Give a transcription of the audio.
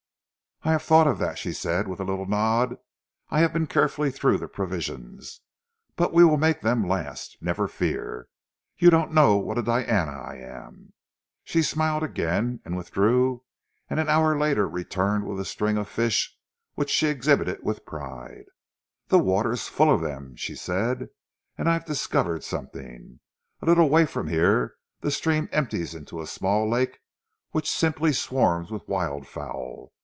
"I have thought of that," she said with a little nod. "I have been carefully through the provisions. But we will make them last, never fear! You don't know what a Diana I am." She smiled again, and withdrew, and an hour later returned with a string of fish which she exhibited with pride. "The water is full of them," she said. "And I've discovered something. A little way from here the stream empties into a small lake which simply swarms with wild fowl.